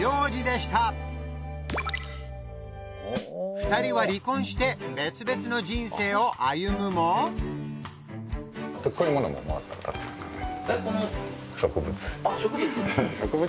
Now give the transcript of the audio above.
２人は離婚して別々の人生を歩むも植物？